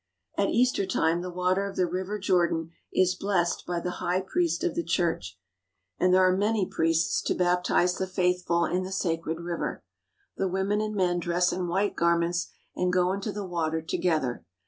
At Easter time the water of the River Jordan is blessed by the high priest of the Church, and there are many priests 55 THE HOLY LAND AND SYRIA to baptize the Faithful in the sacred river. The women and men dress in white garments and go into the water together.